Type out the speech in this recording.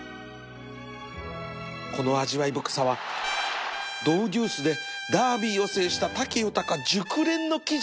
この味わい深さはドウデュースでダービーを制した武豊熟練の騎乗